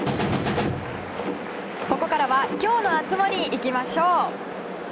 ここからは今日の熱盛いきましょう。